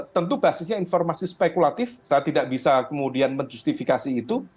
tentu basisnya informasi spekulatif saya tidak bisa kemudian menjustifikasi itu